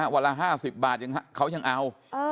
วันละ๕๐บาทเขายังเอา